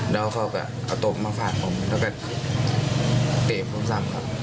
แล้วเขาก็เอาตบมาฟาดผมแล้วก็เตะผมซ้ำครับ